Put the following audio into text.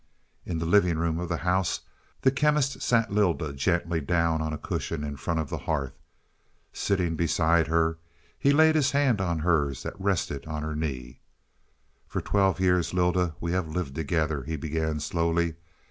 In the living room of the house, the Chemist sat Lylda gently down on a cushion in front of the hearth. Sitting beside her, he laid his hand on hers that rested on her knee. "For twelve years, Lylda, we have lived together," he began slowly.